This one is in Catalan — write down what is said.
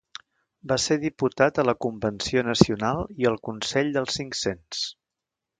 Va ser diputat a la Convenció Nacional i al Consell dels Cinc-Cents.